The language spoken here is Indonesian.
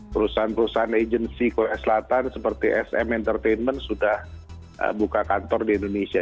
perusahaan perusahaan agency korea selatan seperti sm entertainment sudah buka kantor di indonesia